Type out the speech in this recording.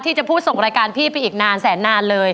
ที่จะพูดส่งรายการพี่ไปอีกนานแสนนานเลย